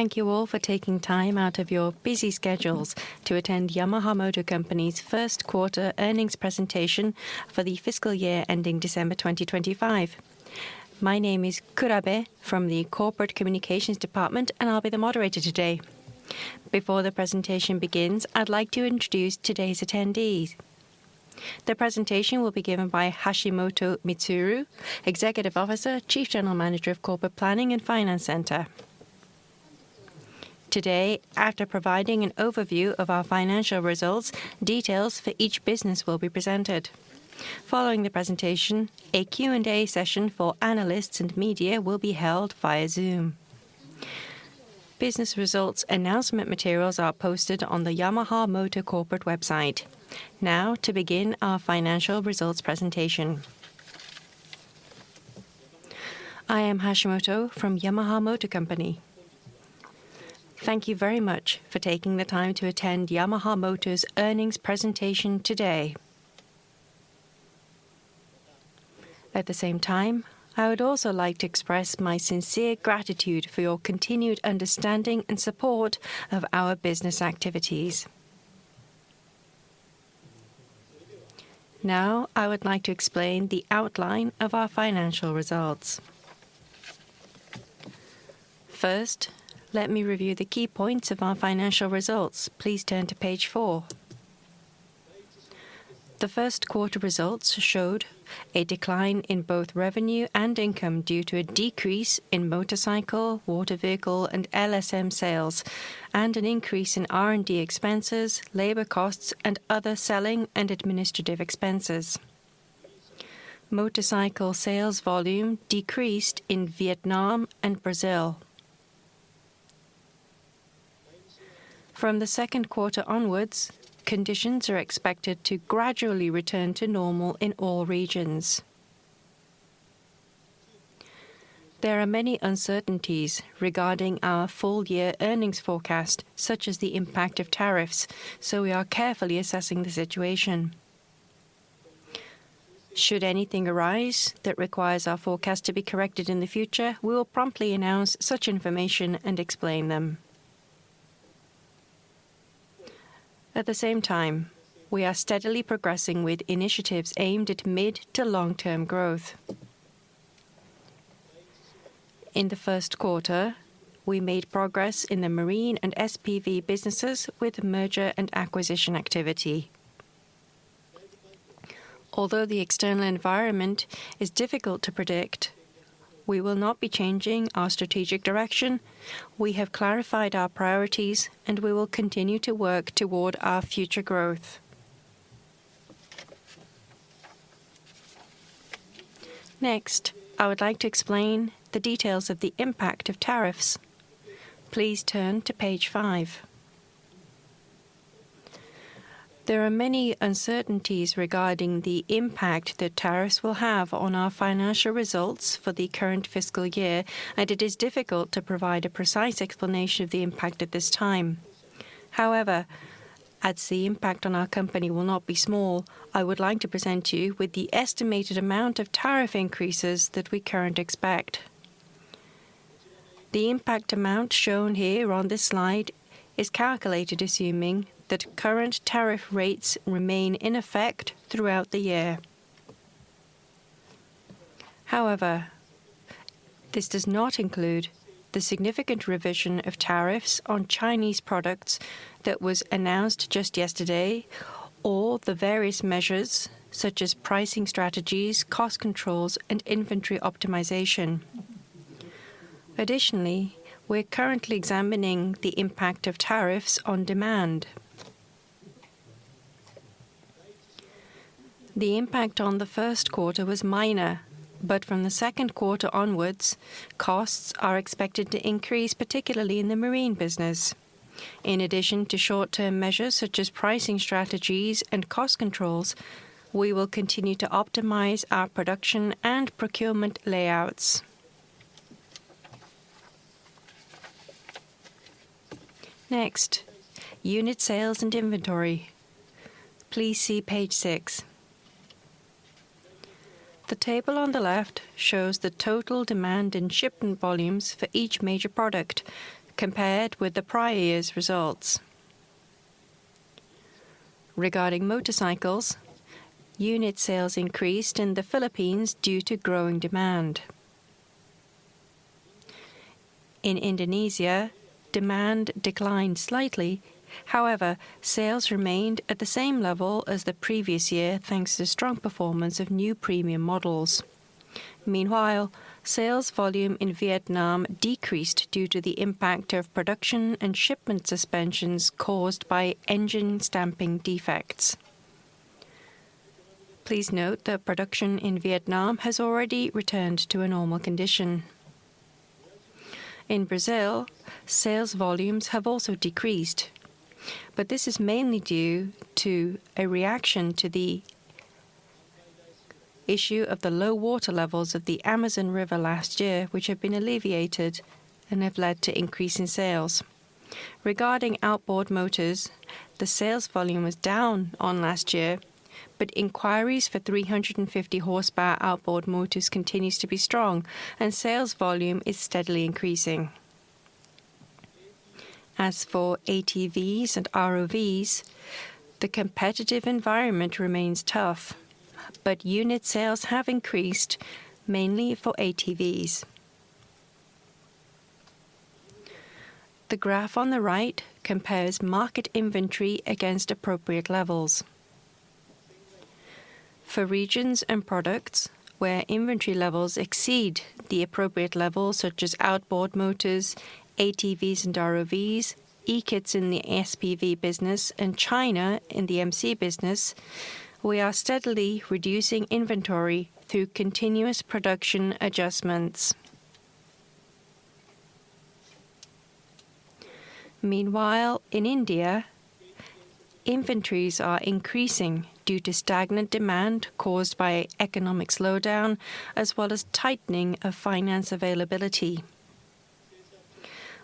Thank you all for taking time out of your busy schedules to attend Yamaha Motor Company's First Quarter Earnings Presentation for the Fiscal Year ending December 2025. My name is Kurabe from the Corporate Communications Department, and I'll be the moderator today. Before the presentation begins, I'd like to introduce today's attendees. The presentation will be given by Hashimoto Mitsuru, Executive Officer, Chief General Manager of Corporate Planning and Finance Center. Today, after providing an overview of our financial results, details for each business will be presented. Following the presentation, a Q&A session for analysts and media will be held via Zoom. Business results announcement materials are posted on the Yamaha Motor Corporate website. Now, to begin our financial results presentation. I am Hashimoto from Yamaha Motor Company. Thank you very much for taking the time to attend Yamaha Motor's Earnings Presentation today. At the same time, I would also like to express my sincere gratitude for your continued understanding and support of our business activities. Now, I would like to explain the outline of our financial results. First, let me review the key points of our financial results. Please turn to page four. The first quarter results showed a decline in both revenue and income due to a decrease in Motorcycle, Water Vehicle, and LSM sales, and an increase in R&D expenses, labor costs, and other selling and administrative expenses. Motorcycle sales volume decreased in Vietnam and Brazil. From the second quarter onwards, conditions are expected to gradually return to normal in all regions. There are many uncertainties regarding our full-year earnings forecast, such as the impact of tariffs, so we are carefully assessing the situation. Should anything arise that requires our forecast to be corrected in the future, we will promptly announce such information and explain them. At the same time, we are steadily progressing with initiatives aimed at mid- to long-term growth. In the first quarter, we made progress in the marine and SPV businesses with merger and acquisition activity. Although the external environment is difficult to predict, we will not be changing our strategic direction. We have clarified our priorities, and we will continue to work toward our future growth. Next, I would like to explain the details of the impact of tariffs. Please turn to page five. There are many uncertainties regarding the impact that tariffs will have on our financial results for the current fiscal year, and it is difficult to provide a precise explanation of the impact at this time. However, as the impact on our company will not be small, I would like to present you with the estimated amount of tariff increases that we currently expect. The impact amount shown here on this slide is calculated assuming that current tariff rates remain in effect throughout the year. However, this does not include the significant revision of tariffs on Chinese products that was announced just yesterday, or the various measures such as pricing strategies, cost controls, and inventory optimization. Additionally, we're currently examining the impact of tariffs on demand. The impact on the first quarter was minor, but from the second quarter onwards, costs are expected to increase, particularly in the marine business. In addition to short-term measures such as pricing strategies and cost controls, we will continue to optimize our production and procurement layouts. Next, Unit Sales and Inventory. Please see page six. The table on the left shows the total demand and shipment volumes for each major product compared with the prior year's results. Regarding Motorcycles, unit sales increased in the Philippines due to growing demand. In Indonesia, demand declined slightly, however, sales remained at the same level as the previous year, thanks to strong performance of new premium models. Meanwhile, sales volume in Vietnam decreased due to the impact of production and shipment suspensions caused by engine stamping defects. Please note that production in Vietnam has already returned to a normal condition. In Brazil, sales volumes have also decreased, but this is mainly due to a reaction to the issue of the low water levels of the Amazon River last year, which have been alleviated and have led to an increase in sales. Regarding Outboard motors, the sales volume was down last year, but inquiries for 350 hp Outboard motors continue to be strong, and sales volume is steadily increasing. As for ATVs and ROVs, the competitive environment remains tough, but unit sales have increased mainly for ATVs. The graph on the right compares market inventory against appropriate levels. For regions and products where inventory levels exceed the appropriate levels, such as Outboard motors, ATVs and ROVs, e-Kits in the SPV business, and China in the MC business, we are steadily reducing inventory through continuous production adjustments. Meanwhile, in India, inventories are increasing due to stagnant demand caused by economic slowdown as well as tightening of finance availability.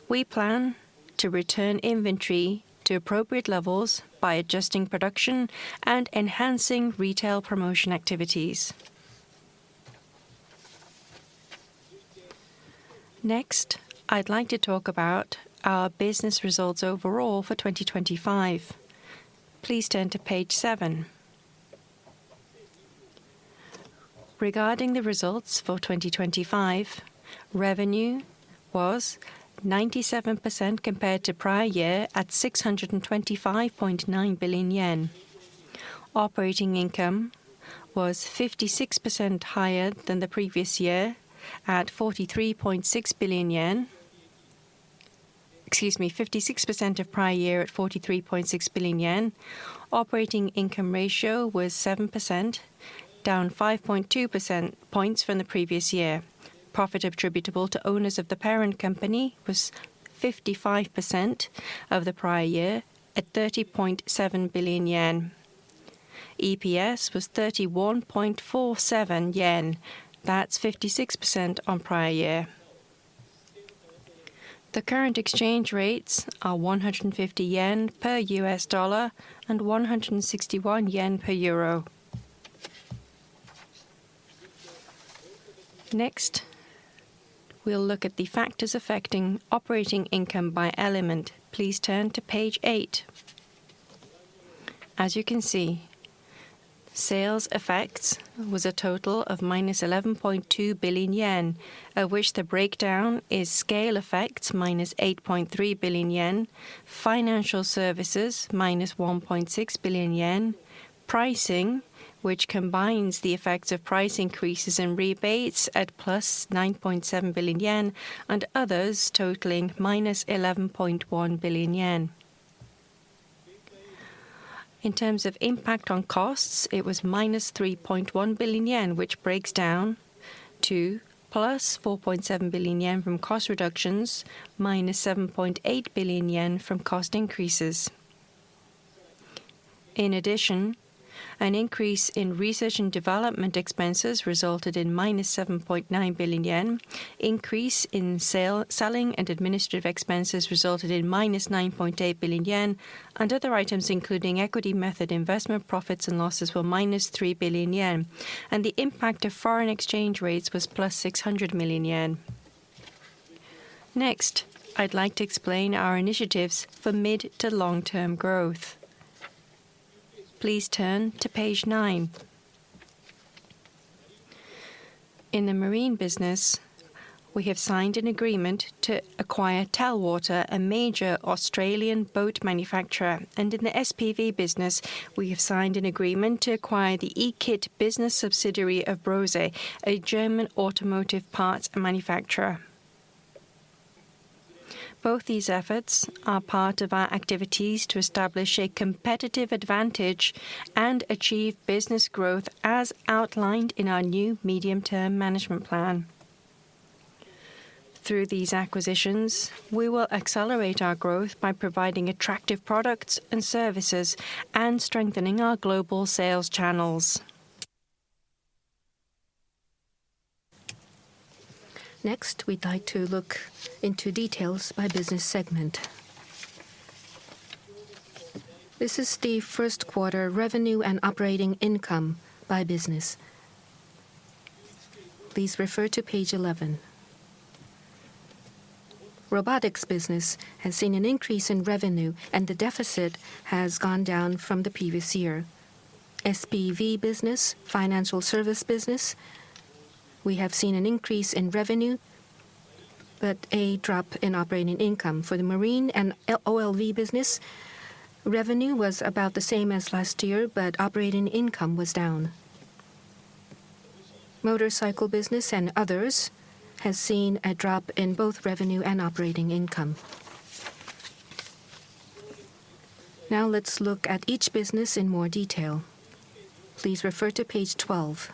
We plan to return inventory to appropriate levels by adjusting production and enhancing retail promotion activities. Next, I'd like to talk about our business results overall for 2025. Please turn to page seven. Regarding the results for 2025, revenue was 97% compared to prior year at 625.9 billion yen. Operating income was 56% higher than the previous year at 43.6 billion yen. Excuse me, 56% of prior year at 43.6 billion yen. Operating income ratio was 7%, down 5.2 percentage points from the previous year. Profit attributable to owners of the parent company was 55% of the prior year at 30.7 billion yen. EPS was 31.47 yen. That's 56% on prior year. The current exchange rates are 150 yen per US dollar and 161 yen per euro. Next, we'll look at the factors affecting operating income by element. Please turn to page eight. As you can see, sales effects was a total of minus 11.2 billion yen, of which the breakdown is scale effects minus 8.3 billion yen, financial services minus 1.6 billion yen, pricing, which combines the effects of price increases and rebates at plus 9.7 billion yen, and others totaling minus 11.1 billion yen. In terms of impact on costs, it was minus 3.1 billion yen, which breaks down to plus 4.7 billion yen from cost reductions, minus 7.8 billion yen from cost increases. In addition, an increase in research and development expenses resulted in minus 7.9 billion yen. An increase in selling and administrative expenses resulted in minus 9.8 billion yen. Other items, including equity method investment profits and losses, were minus 3 billion yen. The impact of foreign exchange rates was plus 600 million yen. Next, I'd like to explain our initiatives for mid to long-term growth. Please turn to page nine. In the marine business, we have signed an agreement to acquire Telwater, a major Australian boat manufacturer. In the SPV business, we have signed an agreement to acquire the e-Kit business subsidiary of Brose, a German automotive parts manufacturer. Both these efforts are part of our activities to establish a competitive advantage and achieve business growth as outlined in our new medium-term management plan. Through these acquisitions, we will accelerate our growth by providing attractive products and services and strengthening our global sales channels. Next, we'd like to look into details by business segment. This is the first quarter revenue and operating income by business. Please refer to page 11. Robotics business has seen an increase in revenue, and the deficit has gone down from the previous year. SPV business, Financial Service business, we have seen an increase in revenue, but a drop in operating income. For the Marine and OLV business, revenue was about the same as last year, but operating income was down. Motorcycle business and others have seen a drop in both revenue and operating income. Now, let's look at each business in more detail. Please refer to page 12.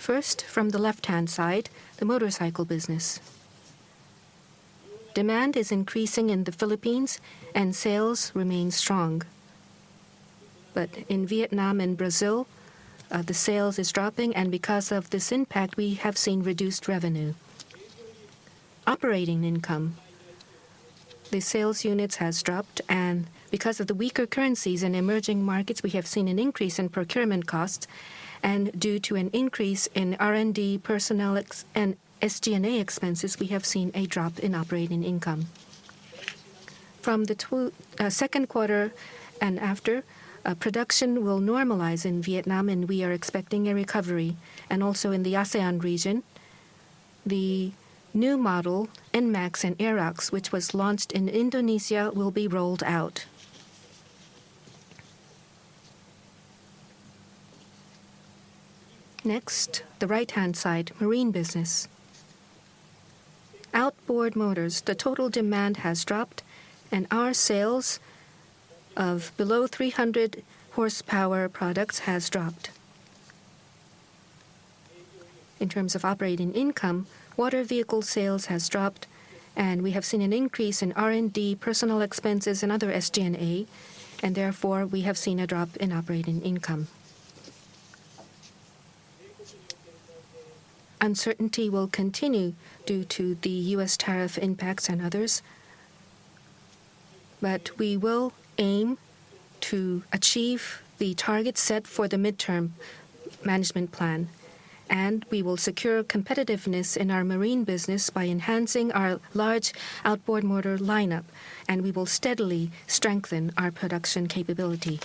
First, from the left-hand side, the Motorcycle business. Demand is increasing in the Philippines, and sales remain strong. In Vietnam and Brazil, the sales are dropping, and because of this impact, we have seen reduced revenue. Operating income, the sales units have dropped, and because of the weaker currencies and emerging markets, we have seen an increase in procurement costs. Due to an increase in R&D, personnel, and SG&A expenses, we have seen a drop in operating income. From the second quarter and after, production will normalize in Vietnam, and we are expecting a recovery. Also in the ASEAN region, the new model, NMAX and Aerox, which was launched in Indonesia, will be rolled out. Next, the right-hand side, marine business. Outboard motors, the total demand has dropped, and our sales of below 300 hp products have dropped. In terms of operating income, water vehicle sales have dropped, and we have seen an increase in R&D, personal expenses, and other SG&A, and therefore, we have seen a drop in operating income. Uncertainty will continue due to the U.S. tariff impacts and others, but we will aim to achieve the targets set for the medium-term management plan. We will secure competitiveness in our Marine business by enhancing our large outboard motor lineup, and we will steadily strengthen our production capability.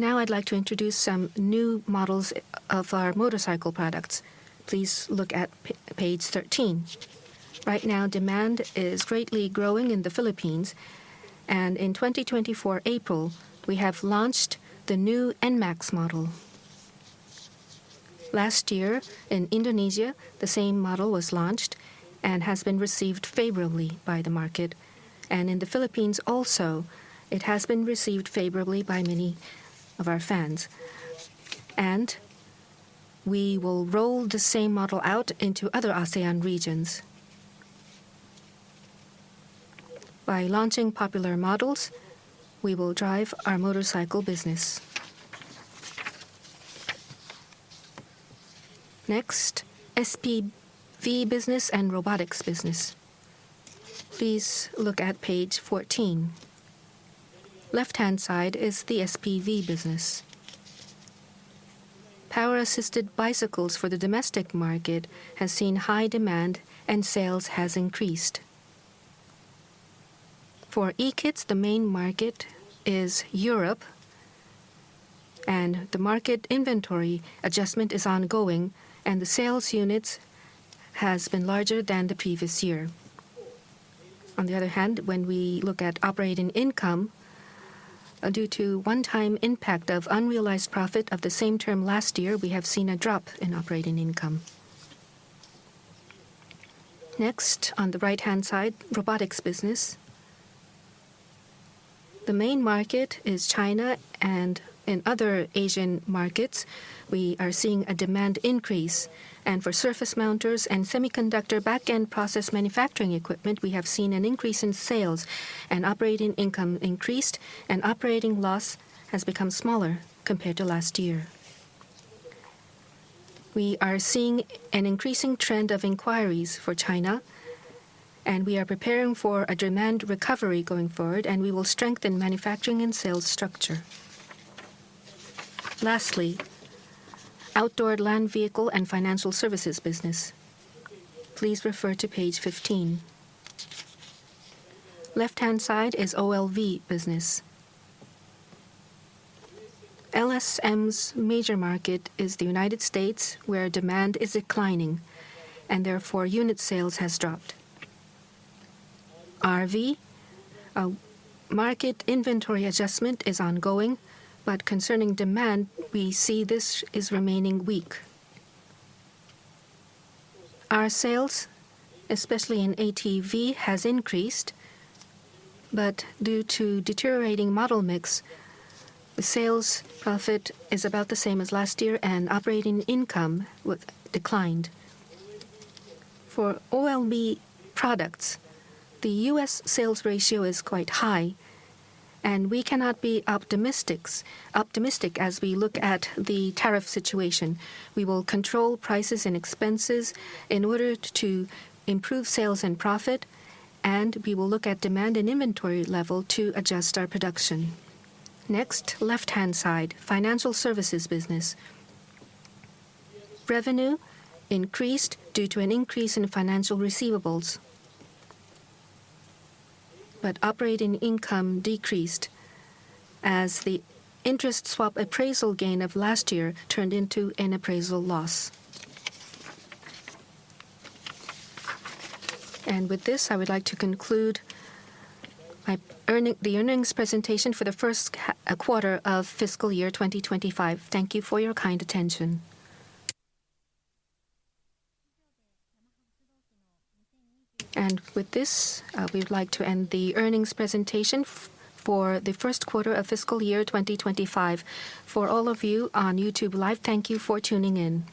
Now, I'd like to introduce some new models of our motorcycle products. Please look at page 13. Right now, demand is greatly growing in the Philippines, and in 2024 April, we have launched the new NMAX model. Last year, in Indonesia, the same model was launched and has been received favorably by the market. In the Philippines also, it has been received favorably by many of our fans. We will roll the same model out into other ASEAN regions. By launching popular models, we will drive our Motorcycle business. Next, SPV business and Robotics business. Please look at page 14. Left-hand side is the SPV business. Power-assisted bicycles for the domestic market have seen high demand, and sales have increased. For e-Kits, the main market is Europe, and the market inventory adjustment is ongoing, and the sales units have been larger than the previous year. On the other hand, when we look at operating income, due to one-time impact of unrealized profit of the same term last year, we have seen a drop in operating income. Next, on the right-hand side, Robotics business. The main market is China, and in other Asian markets, we are seeing a demand increase. For surface mounters and semiconductor back-end process manufacturing equipment, we have seen an increase in sales and operating income increased, and operating loss has become smaller compared to last year. We are seeing an increasing trend of inquiries for China, and we are preparing for a demand recovery going forward, and we will strengthen manufacturing and sales structure. Lastly, Outdoor Land Vehicle and Financial Services business. Please refer to page 15. Left-hand side is OLV business. LSM's major market is the United States, where demand is declining, and therefore unit sales have dropped. RV, market inventory adjustment is ongoing, but concerning demand, we see this is remaining weak. Our sales, especially in ATV, has increased, but due to deteriorating model mix, the sales profit is about the same as last year, and operating income has declined. For OLV products, the U.S. sales ratio is quite high, and we cannot be optimistic as we look at the tariff situation. We will control prices and expenses in order to improve sales and profit, and we will look at demand and inventory level to adjust our production. Next, left-hand side, Financial Services business. Revenue increased due to an increase in financial receivables, but operating income decreased as the interest swap appraisal gain of last year turned into an appraisal loss. With this, I would like to conclude the Earnings Presentation for the First Quarter of Fiscal Year 2025. Thank you for your kind attention. With this, we would like to end the Earnings Presentation for the First Quarter of Fiscal Year 2025. For all of you on YouTube Live, thank you for tuning in.